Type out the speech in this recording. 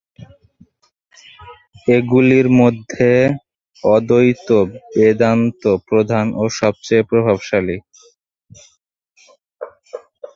এগুলির মধ্যে অদ্বৈত বেদান্ত প্রধান ও সবচেয়ে প্রভাবশালী।